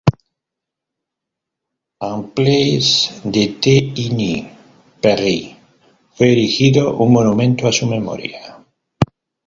En Place des États-Unis, París, fue erigido un monumento a su memoria.